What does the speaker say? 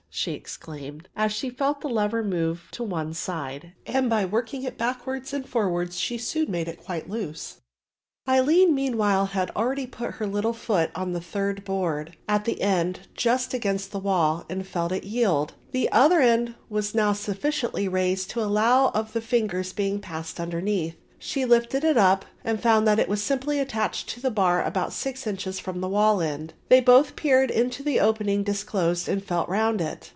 she exclaimed, as she felt the lever move to one side, and by working it backwards and forwards she soon made it quite loose. [Illustration: The Moving Plank and the Way to the Secret Room.] Aline meanwhile had already put her little foot on the third board, at the end just against the wall, and felt it yield. The other end was now sufficiently raised to allow of the fingers being passed underneath. She lifted it up and found that it was simply attached to a bar about six inches from the wall end. They both peeped into the opening disclosed and felt round it.